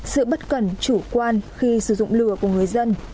sự bất cẩn chủ quan khi sử dụng lừa của người dân